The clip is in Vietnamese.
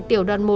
tiểu đoàn một